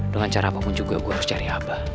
dengan cara apapun juga gue harus cari abah